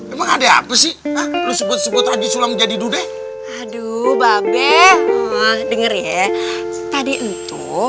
emang ada apa sih lu sebut sebut aja sulam jadi dude aduh babe denger ya tadi itu